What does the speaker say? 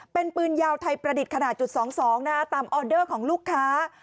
เป็นปืนยาวไทยประดิษฐ์ขนาดจุด๒๒ตามออเดอร์ของลูกค้า